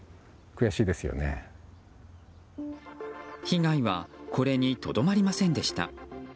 被害はこれにとどまりませんでした。